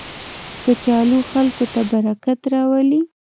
کچالو خلکو ته برکت راولي